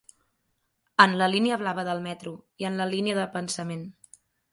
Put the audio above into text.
En la línia blava del metro i en la línia de pensament.